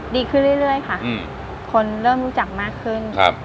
ดีขึ้นเรื่อยเรื่อยค่ะอืมคนเริ่มรู้จักมากขึ้นครับ